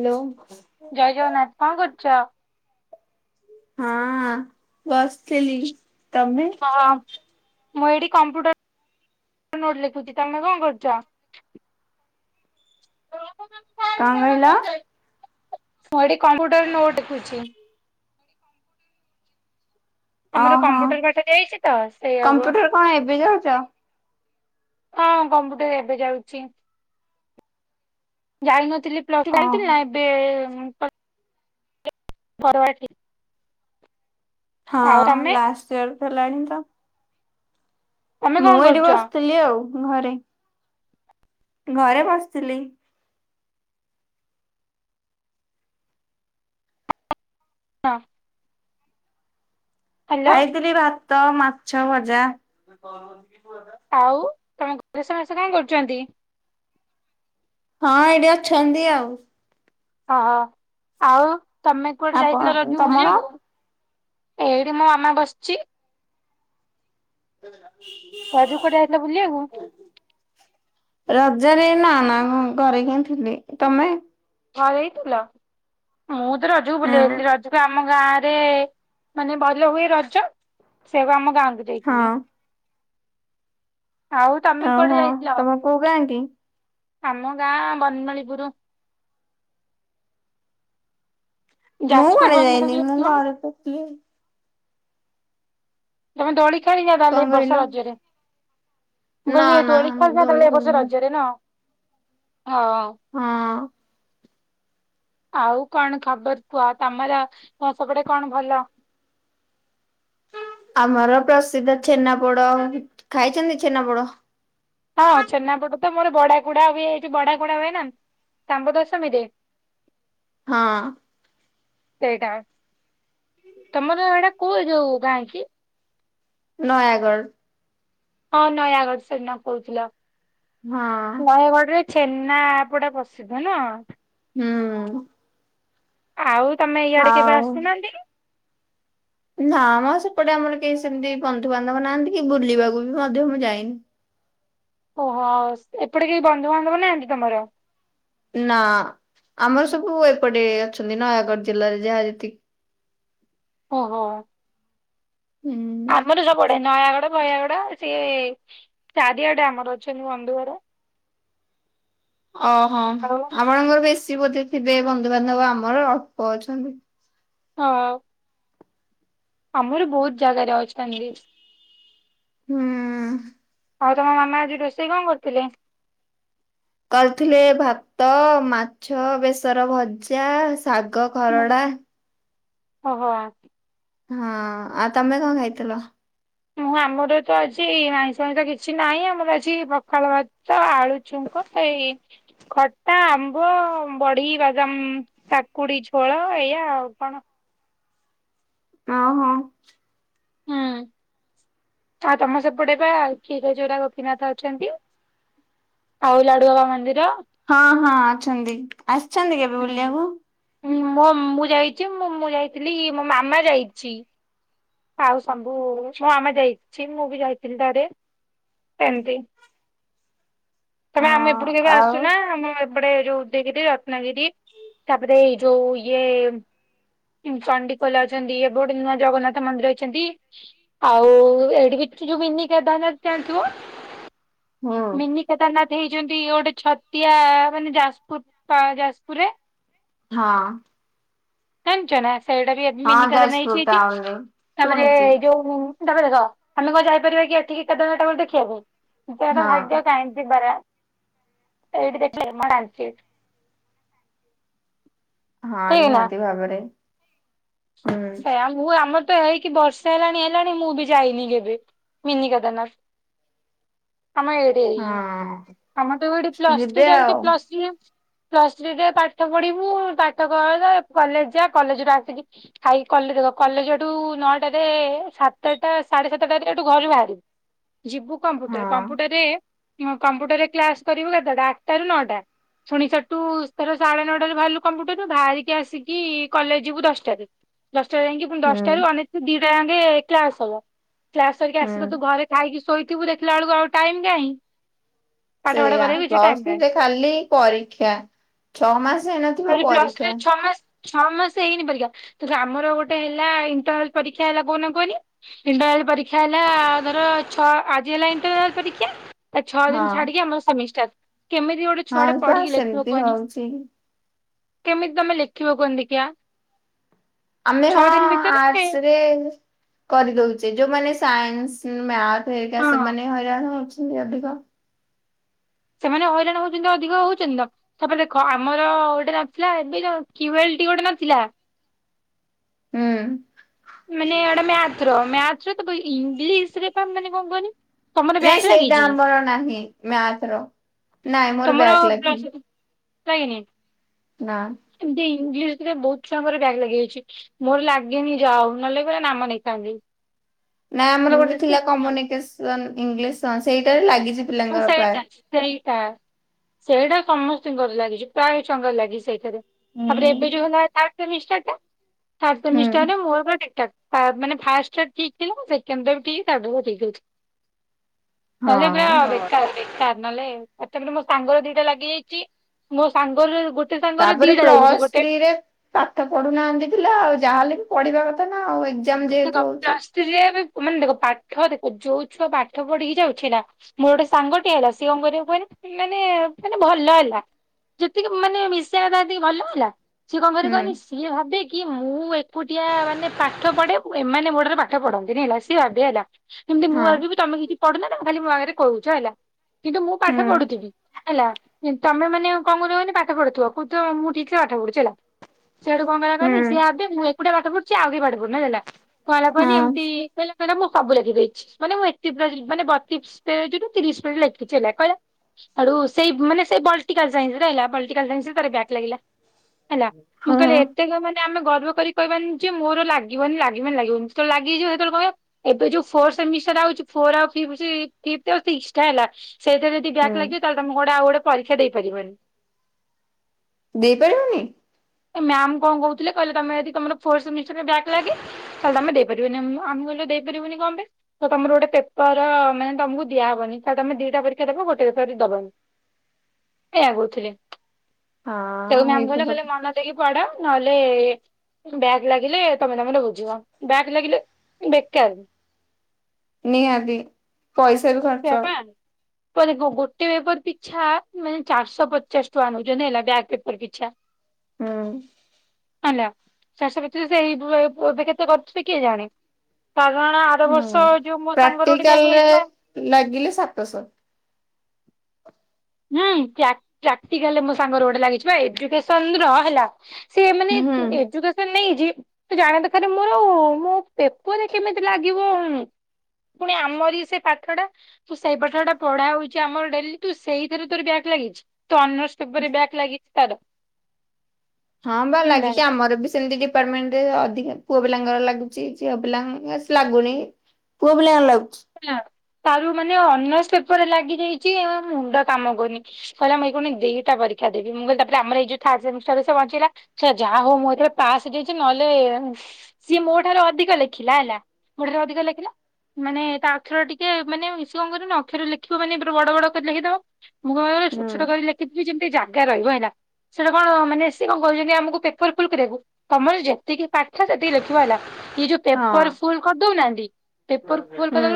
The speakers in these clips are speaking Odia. ହ୍ୟାଲୋ। ଜୟ ଜଗନ୍ନାଥ କଣ କରୁଛ? ହଁ ବସିଥିଲି ତମେ। ହଁ ମୁଁ ଏଠି କମ୍ପ୍ୟୁଟର ନୋଟ ଲେଖୁଛି ତାମେ କଣ କରୁଛ? କଣ କହିଲ? ମୁଁ ଏଠି କମ୍ପ୍ୟୁଟର ନୋଟ ଦଲେଖୁଛି। ଆମର ଓହୋ କମ୍ପ୍ୟୁଟର ପାଠ ଦିଆ ହେଇଚି ତ ସେଇଆକୁ କମ୍ପ୍ୟୁଟର କଣ ଏବେ ଯାଉଛ? ହଁ କମ୍ପୁଟର ଏବେ ଯାଉଛି। ଯାଇ ନଥିଲି ପ୍ଲ ଟୁ ଓହୋ। ଯାଇଥିଲି ନା ଏବେ ପରବାଏ। ହଁ ତମେ ଲାଷ୍ଟ ଇୟର ହେଲାଣି ତ। ତମେ ମୁଁ କଣ ଏଇଠି କରୁଛ? ବସିଥିଲି ଆଉ ଘରେ। ଘରେ ବସିଥିଲି। ହଁ। ହ୍ୟାଲୋ ଖାଇଥିଲି ଭାତ ମାଛ ଭଜା। ଆଉ ତମ ଘରେ ସମସ୍ତେ କଣ କରୁଛନ୍ତି? ହଁ ଏଇଠି ଅଛନ୍ତି ଆଉ। ଓହ ଆଉ ତମେ କୁଆଡେ ଆପଣ ଯାଇଥିଲ ରଜକୁ ତମର? ବୁଲିବାକୁ? ଏଇଠି ମୋ ମାମା ବସିଛି। ରଜକୁ କୁଆଡେ ଯାଇଥିଲ ବୁଲିବାକୁ? ରଜରେ ନା ନା ମୁ ଘରେହିଁ ଥିଲି ତମେ? ଘରେ ହିଁ ଥିଲ ମୁଁ ତ ରଜକୁ ହୁଁ ବୁଲିଆକୁ ଯାଇଥିଲି ରଜକୁ ଆମ ଗାଁରେ ମାନେ ଭଲ ହୁଏ ରଜ ସେଇଆକୁ ଆମ ଗାଁ କୁ ହଁ। ଯାଇଥିଲି ଆଉ [inaudible] ତମେ କୁଆଡେ ଓହୋ ଯାଇଥିଲ ତମେ କୋଉ ଗାଁ କି? ଆମ ଗାଁ ବନମାଳୀପୁର। ମୁଁ ଯାଜପୁର କୁଆଡ଼େ ବନମାଳୀପୁର ଯାଇନି ମୁଁ ଯାଇଥିଲ? ଘରେ ତ ଥିଲି। ତମେ ଦୋଳି ଖେଳିନା କଣ ତାହେଲେ ଏବର୍ଷା କହିଲ? ରଜରେ? ମୁଁ ନା କହିଲି ନା ଦୋଳି ଖେଳିନା ନୁହଁ ଏବର୍ଷ ଖେଳିନି ରଜରେ ନା ହଁ। ହଁ। ଆଉ କଣ ଖବର କୁଅ ତମର ତ ସେପଟେ କଣ ଭଲ ଆମର ପ୍ରସିଦ୍ଧ ଛେନାପୋଡ଼ ଖାଇଛନ୍ତି ଛେନାପୋଡ? ହଁ ଛେନାପୋଡ଼ ତ ମୋର ବଡା କୁଡା ହୁଏ ଏ ଜଉ ବଡା କୁଡା ହୁଏ ନା ସାମ୍ବ ଦଶମୀରେ। [unintelligible] ହଁ। ସେଇଟା ତମର ଏଇଟା କୋଉ ଯୋଉ ଗାଁ କି? ନୟାଗଡ଼। ହଁ ନୟାଗଡ଼ ସେଦିନ କହୁଥିଲ ହଁ ନୟାଗଡରେ ଛେନାପୋଡ଼ ପ୍ରସିଦ୍ଧ ନୁହଁ? ହୁଁ। ଆଉ ତମେ ଇଆଡେ କେବେ ଆଉ ଆସୁନାହାନ୍ତି? ନା ମ ସେପଟେ ଆମର କେହି ସେମିତି ବନ୍ଧୁବାନ୍ଧବ ନାହାନ୍ତି କି ବୁଲିବାକୁ ବି ମଧ୍ୟ ମୁଁ ଯାଇନି। ଓହୋ ଏପଟେ କେହି ବନ୍ଧୁବାନ୍ଧବ ନାହାନ୍ତି ତମର? ନା ଆମର ସବୁ ଏପଟେ ଅଛନ୍ତି ନୟାଗଡ ଜିଲ୍ଲାରେ ଯାହା ଯେତିକି ଓହୋ। ହୁଁ ଆମର ସବୁଆଡ଼େ ନୟାଗଡ଼ ଫୟାଗଡ଼ ସିଏ ଚାରିଆଡ଼େ ଆମର ଅଛନ୍ତି ବନ୍ଧୁ ଘର। ଓହୋ ଆଉ ଆପଣଙ୍କର ବେଶୀ ବୋଧେ ଥିବେ ବନ୍ଧୁବାନ୍ଧବ ଆମର ଅଳ୍ପ ଅଛନ୍ତି। ହଁ। ଆମର ବହୁତ ଜାଗାରେ ଅଛନ୍ତି। ହୁଁ। ଆଉ ତମ ମାମା ଆଜି ରୋଷେଇ କଣ କରିଥିଲେ? କରିଥିଲେ ଭାତ ମାଛ ବେସର ଭଜା ଶାଗ ଖରଡ଼ା ଅ ହ। ହଁ ଆ ତମେ କଣ ଖାଇଥିଲ? ମୁଁ ଆମର ତ ଆଜି ଆଇଁଷ ଫାଇଁଷ କିଛି ନାହିଁ ଆମର ଆଜି ପଖାଳ ଭାତ୍‌ ତ ଆଳୁ ଚ୍ଛୁଙ୍କ ଏଇ ଖଟା ଆମ୍ବ ବଢ଼ି ବାଦାମ୍ କାକୁଡି ଝୋଳ ଏଇୟା ଆଉ କଣ। ଅଉ ହଁ। ହୁଁ, ଆଉ ତମ ସେପଟେ ବା ଖୀର ଚୋରା ଗୋପୀନାଥ ଅଛନ୍ତି। ଆଉ ଲାଡୁବାବା ମନ୍ଦିର। ହଁ ହଁ ଅଛନ୍ତି ଆସିଛନ୍ତି କେବେ ବୁଲିବାକୁ? ହୁଁ ମୋ ମୁଁ ଯାଇଚି ମୋ ମୁଁ ଯାଇଥିଲି ମୋ ମାମା ଯାଇଛି। ଆଉ ସମ୍ବୁ ମୋ ମାମା ଯାଇଛି ମୁଁ ବି ଯାଇଥିଲି ତାଡେ। ଏମ୍ତି। ତମ ହଁ ଆମେ ଏପଟୁକୁ କେବେ ଆଉ ଆସୁନା ଆମ ଏପଡେ ଯୋଉ ଉଦୟଗିରି ନା ଗିରି ତାପରେ ଏଇ ଯୋଉ ଇଏ ଚଣ୍ଡିିଖୋଲ ଅଛନ୍ତି ଏବେ ଗୋଟେ ନୂଆ ଜଗନ୍ନାଥ ମନ୍ଦିର ହେଇଛନ୍ତି। ଆଉ ଏଡିକି ଯୋଉ ମିନି କେଦାରନାଥ ଟା ହେଇଥିବ। ହୁଁ ମିନ କେେତାରନାଥ ହେଇଛନ୍ତି ଗୋଟେ ଛତିଆ ମାନେ ଯାଜପୁର ପା ଯାଜପୁରରେ? ହଁ। ଜାନିଚନା ସେଇଟା ବି ଏ ମିନି ହଁ କେଦାରନାଥ ଯାଜପୁର ହେଇଚି ଏଇଠି ଟାଉନରେ ତାପରେ ଶୁଣିଛି। ଏଇ ଯୋଉ ତାପରେ ଦେଖ ଆମେ କଣ ଯାଇପାରିବା କି ଏଠିକି କେଦାରନାଥ ଠାକୁର ଦେଖିବାକୁ ହଁ ଏତେବାଟ ଭାଗ୍ୟ କାହିଁ ଯିବାର। ଏଇଠୀ ଦେଖିଲେମାଡ଼ମ୍ ଚିଟ୍ ହଁ ନିହାତି ଭାବରେ ହୁଁ। ଇଆ ମୁଁ ଆମର ତ ହେଇକି ବର୍ଷ ହେଲାଣି ହେଲାଣି ମୁଁ ବି ଯାଇନି କେବେ। ମିନି କଦାରନାଥ ଆମ ଏ ଡେଇ ହଁ। ଆମର ତ ଯୋଉ ଏଠି ଯିବେ ପ୍ଲସଥ୍ରୀ ଆଉ ଚାଲିଚି ପ୍ଲସଥ୍ରୀ। ପ୍ଲସ୍ ଥ୍ରୀରେ ପାଠ ପଢ଼ିବୁ ପାଠ କର କଲେଜ ଯା କଲେଜରୁ ଆସିକି ଖାଇକି କଲେଜ ଦେଖ କଲେଜ ହେଟୁ ନଅଟାରେ ସାତଟା ସାଢେ ସାତଟାରେ ଏଠୁ ଘରୁ ବାହାରିବି। ଯିବୁ କମ୍ପୁଟର ହଁ କମ୍ପୁଟରେ ହଁ କମ୍ପ୍ୟୁଟରରେ କ୍ଲାସ କରିବୁ କେତେଟା ଆଠ ଟାରୁ ନଅଟା। ପୁଣି ସେଠୁ ଧର ସାଢେ ନଅଟାରେ ବାହାରିଲୁ କମ୍ପ୍ୟୁଟରରୁ ବାହାରିକି ଆସିକି କଲେଜ ଯିବୁ ଦଶଟାରେ। ଦଶଟାରେ ଯାଇକି ପୁଣି ହୁଁ ଦଶଟାରୁ ଅନେଇଥିବୁ ଦିଇଟା ଯାକେ କ୍ଲାସ ହବ, କ୍ଲାସ ସରିକି ହୁଁ। ଆସିବୁ ତୁ ଘରେ ଖାଇକି ଶୋଇଥିବୁ ଦେଖିଲା ବେଳକୁ ଆଉ ଟାଇମ୍ କାହିଁ। ପାଠ ପାଠ ସେଇଆା କରିବାକୁ କିଛି ପ୍ଲସ ଟାଇମ ଥ୍ରୀ କାହିଁ ସେ ଖାଲି ପରୀକ୍ଷା ଛଅ ମାସ ହେଇନଥି ଖାଲି ପ୍ଲସ ଥ୍ରୀ ରେ ଛଅ ମାସ ଛ ମାସେ ହେଇନି ପରୀକ୍ଷା ଦେଖ ଆମର ଗୋଟ ହେଲା ଇଣ୍ଟରନାଲ ପରୀକ୍ଷା ହେଲା କୋଉଦିନ କୁହନି? ଇଣ୍ଟରାଲ ପରୀକ୍ଷା ହେଲା ଧର ଛ ଆଜି ହେଲା ଇଣ୍ଟରାଲ ପରୀକ୍ଷା। ତା ଛଅ ଦିନ ହଁ। ଛାଡିକି ଆମର ସେମିଷ୍ଟାର କେମିତି ଗୋଟେ ହଁ ଛୁଆଟେ ପା ପଢିକି ଲେଖିବ ସେମିତି କୁହନି। [unintelligible] କେମିତି ତମେ ଲେଖିବ କୁହନୀଦେଖିଆ। ଆମେ ହଁ ଭିତରେ ଆର୍ଟସ୍ ରେ କରିଦଉଚେ ଯୋଉମାନେ ସାଇନ୍ସ ଉଁ ମ୍ୟାଥ ହେରୀକା ହଁ ସେମାନେ ହଇରାଣ ହଉଛନ୍ତି ଅଧିକ। ସେମାନେ ହଇରାଣ ହଉଛନ୍ତି ଅଧିକ ହଉଛନ୍ତି ତ। ତାପରେ ଦେଖ ଆମର ଗୋଟେ ନଥିଲା ଏବିର କିୱେଲ ଟି ଗୋଟେ ନଥିଲା। ହୁଁ। ମାନେ ୟାଡେ ମ୍ୟାଥ ର ମ୍ୟାଥ ର ତାକୁ ଇଂଲିଶ ରେ ପା ମାନେ କଣ କହନି ନାଇଁ ସେଇଟା ଆମର ନାହିଁ, ମ୍ୟାଥ ର ନାଇଁ ମୋର ବ୍ୟାକ ଲାଗିନି। ଲାଗିନି। ନାଁ। ଏମିତି ଇଂଲିଶ ରେ ବହୁତ ଛୁଆଙ୍କର ବ୍ୟାଗ୍ ଲାଗିଯାଇଛି। ମୋର ଲାଗେନି ଯାହାହେଉ ନହେଲେ ପୁରା ନାମ ନେଇଥାନ୍ତି। ନା ଆମର ଗୋଟେ ଇଂଲିଶରେ ଥିଲା କମ୍ୟୁନିକେସନ ଇଂଲିଶ ସେଇଟାରେ ଲାଗିଯି ହଁ ସେଇଟା। ସେଇଟା ସେଇଟା ସମସ୍ତଙ୍କର ଲାଗିଛି ପ୍ରାୟ ଛୁଆଙ୍କର ଲାଗିଛି ସେଇଥିରେ। ତାପରେ ଏବେ ଯଉ ହୁଁ ହେଲା ଥାର୍ଡ ସେମିଷ୍ଟାର୍ ଟା ଥାର୍ଡ ହୁଁ ସେମିଷ୍ଟାର ରେ ମୋର ପୁରା ଠିକ୍ ଠାକ୍। ମାନେ ଫାଷ୍ଟ ଠିକ ଥିଲା ସେକଣ୍ଡ ଟା ବି ଠିକ ତାପରେ ସବୁ ଠିକ୍ ଥିଲା। କାଲି ହଁ ପୁରା [inaudible] ନହେଲେ ତାପରେ ମୋ ସାଙ୍ଗର ଦିଟା ଲାଗିଯାଇଛି ମୋ ସାଙ୍ଗରୁ ଗୋଟେ ସାଙ୍ଗର ତାପରେ ଦିଟା ଲାଗିଛି ପ୍ଲସ୍ ଗୋଟେ ଥ୍ରୀରେ ପାଠ ପଢୁନାହାନ୍ତି ପିଲା ଆଉ ଯାହା ହେଲେ ବି ପଢିବା କଥା ନା ଆଉ ଏକ ପ୍ଲସଥ୍ରିରେ ମାନେ ଦେଖ ପାଠ ଦେଖ ଯୋଉ ଛୁଆ ପାଠ ପଢିକି ଯାଉଛି ନା। ମୋର ଗୋଟେ ସାଙ୍ଗଟିଏ ହେଲା ସିଏ କଣ କରିବ କୁହନି ମାନେ ମାନେ ଭଲ ହେଲା। ଯେତିକି ମାନେ ମିଶାଥାନ୍ତି ଭଲ ହେଲା। ସିଏ କଣ କରେ ହୁଁ କହନି ସିଏ ଭାବେ କି ମୁଁ ଏକୁଟିଆ ମାନେ ପାଠ ପଢେ। ଏମାନେ ମୋଟରେ ପାଠ ପଢନ୍ତିନି ହେଲା ସିଏ ଭବେ ହେଲା, ଏମିତି ମୁଁ ହଁ। ଆଗ ତମେ କିଛି ପଢୁନ ନା ଖାଲି ମୋ ଆଗରେ କହୁଛ ହେଲା, କିନ୍ତୁ ମୁଁ ପାଠ ହୁଁ ପଢୁଥିବି। ହେଲା ତମେ ମାନେ କଣ କର ମାନେ ପାଠ ପଢୁଥିବ କୋହୁଥିବ ମୁଁ ଠିକ୍ ରେ ପାଠ ପଢୁନି। ସେଆଡୁ କଣ କହିଲା ହୁଁ କହନି ସେ ଭାବେ ମୁଁ ଏକୁଟିଆ ପାଠ ପୁଛି ଆଉ କିଏ ବି ପାଠ ପଢୁନି ହେଲା। କଲାବନି ହଁ ଏମିତି କହ। କ ମୁଁ ସବୁ ଲାଗି ଦେଇଛି ମାନେ ମୁଁ ଏ ମାନେ ବଶରି ମିନଟ ଲାଗି କହିଲା। ଆଡୁ ସେଇ ମାନେ ସେ ପଟାନ୍ାରେ ବ୍ୟାକ୍ ଲାଗିଲା। ହେଲା ମୁଁ ହଁ କହିଲି ଏତେ ମାନେ ଆମେ ଗର୍ବ କରି କହିବାନି ଯେ ମୋର ଲାଗିବନି ଲାଗ। କି ଲାଗିବ ତଳେ ଲାଗିଯିବ ସେତେବେଳେହିବ। ଏବେ ଯୋଉ ଫୋିଉିକଲା। ସେଇରେ ଯଦି ବ୍ୟାକ୍ ହୁଁ ଲାଗିବ ତାହେଲେମ ଗୋେ ଆଉ ଗୋେ ପରକ୍ଷା ଦେଇାରିବନି। ଦେଇପାରିବନି। ଏ ମ୍ୟାାମ କଣ କହୁଥିଲେ କହିଲେ ତମେ ଯଦି୍ୟାକ୍ ଲାଗେ। ତାହେଲେ ଆମ ଦେଇ ପାରିବନି ମୁଁ ଆମେ ଗଲେ ଦେଇ ପାରିବନି ଗମ ପେ ତମର ଗୋଟେ ପେପର ମାନେ ତମକୁ ଦିଆହବନି ତମେ ଦିଟା ପରୀକ୍ଷା ଦେବ ଗୋଟେ ପେପର ଦବି। ଏା କହୁଥିଲେି ସେ ହଁ ମମ ଏଇତ ଗଲେ ଖାଲି କଥା ମନା। କି ପଢା ନହେଲେ। ବ୍ୟାଗ୍ ଲାଗିଲେ ତମେ ତମର ବୁଝିବ ବ୍ୟାଗ୍ ଲାଗିଲେ ବେକାର ନିହାଟି। ପଇସା ବି ଖ ସେୟାପା ଦେଖ ଗୋଟେ ପେପର ପିଛା ମାନେ ଚାରିଶହ ପଚାଶ ଟଙ୍କା ନେଉଛନ୍ତି ହେଲା, ବ୍ୟାକ୍ ପେପର ପିଛା। ହୁଁ। ହେଲା ଚାଷ ଭିତରେ ସେଇ ଏବେ କେତେ କରୁଥିବେ କିଏ ଜାଣେ ସାାରଣ ଆର ବର୍ଷ ଯେଉ ମୋ ସାଙ୍ଗରେ ଗୋଟେ ଗ୍ୟାଗ ହେଇଥିଲା। ନ ଗିଲେ ସାତସ ହୁଁ ପ୍ରାକ୍ଟା ମୋ ସାଙ୍ଗରେ ଗୋଟେ ଲାଗି ଏୁକସନ ର ହେଲା। ସେମାନେେ ହୁଁ ଏୁ ନେଇ ଯ ତୁ ଜାଣିବା ଦରଖ ମୋର ଆଉ ମୋ ପେପରେ କେମିତି ଲାଗିବ। ପୁଣି ଆମର ସେ ପାଠ ଟା ତୁ ସେଇ ପାଠ ଟା ପଢା ହଉଛି ଆମର ଡେଲି ତୁ ସେଇ ତୋ ବ୍ୟାଗ ଲାଗିଛି ତ ଅନ୍ୟର୍ଷ୍ଟ ବ୍ୟାଗ ଲାଗିଛି ତାାରା। ହଁ ଭଲ ଲାଗିଛି ଆମର ବି ସେମିତି ଟ ମଣ୍ ଅଧିକ ପୁଅ ପିଲାଙ୍କର ଲାଗୁଛି ଝିଅ ପିଲାଙ୍କ ଲାଗୁନି। ପୁଅ ପିଲାଣ ଲାଗୁ। ତାର ମାନେ ଅନ ପେପରରେ ଲାଗି ଯାଇଛି ଆ ମୁଣ୍ଡ କାମ କରୁନି। କହିଲା ମୁଇ କଣି ଦିଟା ପରୀକ୍ଷା ଦେି ମୁଁ କହିଲ ତାପରେ ଆମରଇ ଯୋଉଥ ସେହଞ୍ଚିଲା। ଯାହା ହଉ ମୁଁ ଏଥିରେ ପାସ୍ ଦେଇଚି। ନହେଲେ ସିଏ ମୋ ଠାରୁ ଅଧିକ ଲେଖିଲା ହେଲା, ମୋ ଠ---ରୁ ଅଧିକ ଲେଖିଲା। ମାନେ ତା 'ଅକ୍ଷର ଟିକେ, ମାନେ ସେ କ'ଣ କରିବ ନା ଅକ୍ଷର ଲେଖିବ ମାନେ ବଡ଼ ବଡ଼ କରି ଲେଖି--ବ। ଛୋଟ୍ ହୁଁ ଛୋଟ କରି ଲେଖିଥିବି, ଯେମିତି ଜାଗା ରହିବ ହେଲା। କ'ଣ, ମାନେ ସେ କ'ଣ କହିଚନ୍ତି ଆମକୁ ପେପର୍ ଫୁଲ୍ କରିବାକୁ। ଯେତିକି ପାଠ ସେତିକି ଲେଖିବା ହେଲା। ଯଉ ହଁ ପେପର୍ ଫୁଲ୍ କ---ଦଉ ନାହାନ୍ତି, ପେପର ଫୁଲ୍‌ ହୁଁ କରି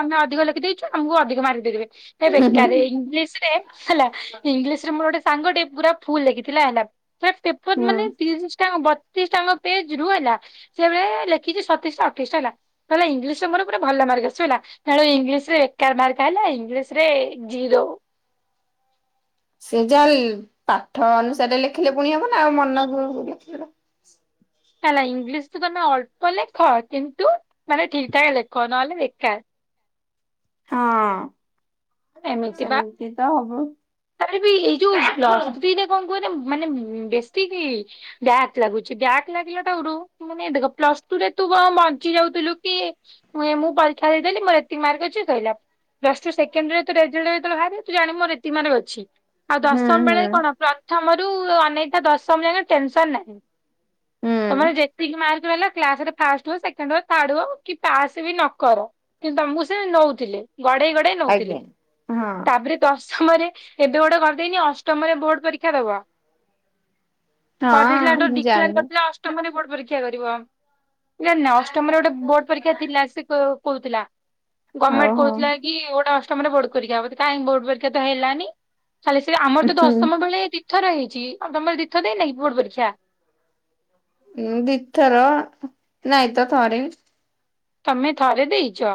ଆମେ ଅଧିକ ଲେଖି ଦେଇଚୁ, ଆମକୁ ଅଧିକ ମାର୍କ ଦେଇ ଦେବେ। ହୁଁ ବେକରେ ଇଂଲିଶ୍ ରେ ହେଲା, ଇଂଲିଶ୍ ରେ ମୋର ଗୋଟେ ସାଙ୍ଗଟେ ପୁରା ଫୁଲ୍ ଲେଖିଥିଲା ହେଲା। ପେପର୍ ହୁଁ ମାନେ ତିରିଶ୍ ଟା ବ ଯାକ ପେଜ୍‌ରୁ ହେଲା, ଲେଖିଚି ସତେଇଶ୍ ଟା ଅଠେଇଶ୍ ଟା ହେଲା। ଇଂଲିଶ୍ ଭଲ ମା ଆସିବ ହେଲା, ଇଂଲିଶ୍ ରେ ଏକା ମାର୍କ ଆଇଲା। ଇଂଲିଶ୍ ରେ ଜିରୋ ସେ ଯାହା ପାଠ ଅନୁସାରେ ଲେଖିଲେ ପୁଣି ହବ ନା। ଆ ଇଂଲିଶ୍ ତମେ ଅଳ୍ପ ଲେଖ, କିନ୍ତୁ ମାନେ ଠିକ୍ ଠାକ୍ ଲେଖ। ନହେଲେ ବେକା ଏମିତି ବା [inaudible] ଏଇ ଯଉ ପ୍ଲସ୍‌ଥ୍ରୀ କ'ଣ କୁହ---ମାନେ ବେଶୀ ବ୍ୟାକ୍ ଲାଗୁଚି, ବ୍ୟାକ୍ ଲାଗିଲା ମାନେ ଦେଖ ପ୍ଲସ୍‌ଟୁ ରେ ତୁ କ'ଣ ବଞ୍ଚି ଯାଉଥିଲୁ, ମୁଁ ପରୀକ୍ଷା ଦେଇ ଦେଲି, ମୋର ଏତିକି ମାର୍କ ଅଛି ସଇଲା। ଯେତ----ଳେ ଭାରିବ, ତୁ ଜାଣିବୁ ମୋର ଏତିକି ମା ଅଛି। ଆଉ ହୁଁ ଦଶମ୍ ହୁଁ ବେଳେ କ'ଣ ମର ଅନେଇଥା ଦଶମ୍‌ ଯା ଟେନସନ୍‌ ନାହିଁ। ତମର ହୁଁ ଯେତିକି ମାର୍କ ରହିଲା କ୍ଲାସ୍‌ରେ ଫାଷ୍ଟ୍ ହୁଅ ସେଖେ---ହୁଅ ଥାର୍ଡ଼ ହୁଅ କି ପାସ୍‌ବି ନକର। କିନ୍ତୁ ତ--କୁ ସେ ନଉଥିଲେ, ଗଡ଼େଇ ଗଡ଼େଇ ନଉଥିଲେ। ଆଜ୍ଞା। ହଁ। ତା'---ରେ ଦଶମରେ, ଏବେ ଗୋଟେ କର୍ ଦେଇନି ଅଷ୍ଟମରେ ବୋର୍ଡ଼ ପରୀକ୍ଷା ଦବ। କର୍ ଦେଇଥିଲା ହଁ ତ, ମୁଁ ଜାଣିନି। ଡ଼ିକ୍ଲାର୍ ଅଷ୍ଟମରେ ବୋର୍ଡ଼ ପରୀକ୍ଷା କରିବ। ଅଷ୍ଟମରେ ଗୋଟେ ବୋର୍ଡ଼ ପରୀକ୍ଷା ଥିଲା, ସେ କହୁଥିଲା। ହଉ ଗମେଟ୍ ହଉ। କହୁଥିଲା କି ଗୋଟେ ଅଷ୍ଟମରେ ବୋର୍ଡ଼ ରୀକ୍ଷା ବୋର୍ଡ଼ ପରୀକ୍ଷା ତ ହେଲାନି। ଆମର ଉଁ ତ ହୁଁ ଦଶମ ବେଳେ ଦି ଥର ହେଇଚି, ତମର ଦି ଥର ଦେଇନ କି ବୋର୍ଡ ପରୀକ୍ଷା? ଦି ଥର, ନାଇଁତ ଥରେ। ତମେ ଥରେ ଦେଇଚ।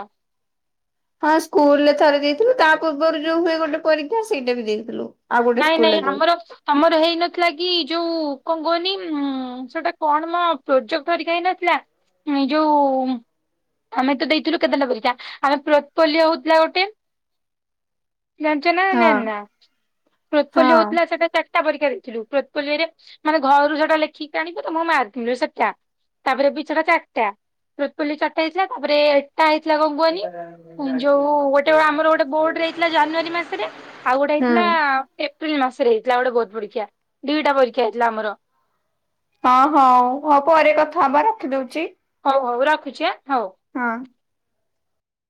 ହଁ! ସ୍କୁଲ୍‌ ରେ ଥରେ ଦେଇଥିଲୁ, ତା' ପୂର୍ବରୁ ଯଉ ହୁଏ ଗୋଟେ ପରୀକ୍ଷା ସେଇଟା ବି ଦେଇଥିଲୁ। ଆଉ ଗୋଟେ ନାଇଁ ନାଇଁ, ସ୍କୁଲରେ ଯାଇ ଆମ ତମର ହେଇନଥିଲା କି ଯଉ କ'ଣ କୁହନି-----ସେଟା କ'ଣ ମ ପ୍ରୋଜେକ୍ଟ ହେଇ ନ--ଲା? [inaudible] ଆମେ ତ ଦେଇଥିଲୁ କେତେଟା ପରୀକ୍ଷା, ଆମେ ହଉ--ଲା ଗୋଟେ। [inaudible] ସେଟା ହଁ ହଁ ଚାର୍ଟା ପରୀକ୍ଷା ଦେଇଥିଲୁ, ମାନେ ଘରୁ ସେଟା ଲେଖିକି ଆଣି। ସେଟା ତା'ପରେ ବି ସେଟା ଚାର୍ଟା, ଚାର୍ଟା ହେଇଥିଲା। ତା'ପରେ ଏଟା ହେଇଥିଲା କ'ଣ କୁହନି? ଯୋଉ ଗୋଟେ ଆମର ଗୋଟେ ବୋର୍ଡରେ ହେଇଥିଲା [inaudible] ଏପ୍ରିଲ୍‌ ମାସରେ ହେଇଥିଲା ଗୋଟେ ପରୀକ୍ଷା, ଦିଟା ପରୀକ୍ଷା ହେଇଥିଲା ଆମର। ହଉ ପରେ କଥା ହବା ରଖି ଦଉଚି। ହଉ ହଉ ରଖୁଚି, ଆଁ ହଉ। ହଁ!